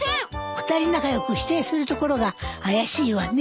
二人仲良く否定するところが怪しいわね。